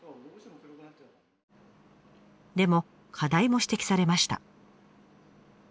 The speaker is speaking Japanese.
でも課題も指摘されました。